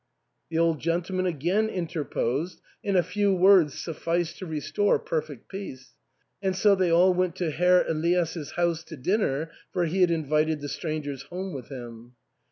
" The old gentleman again interposed, and a few words sufficed to restore perfect peace ; and so they all went to Herr Elias*s house to dinner, for he had invited the strangers home with him.